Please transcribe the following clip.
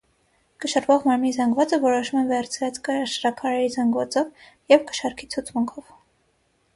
Կշռվող մարմնի զանգվածը որոշում են վերցրած կշռաքարերի զանգվածով և կշեռքի ցուցմունքով։